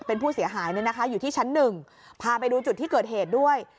เป็นผู้เสียหายอยู่ที่ชั้นหนึ่งพาไปดูจุดที่เกิดเหตุด้วย